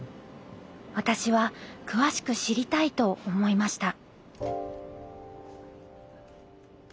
私は詳しく知りたいと思いました。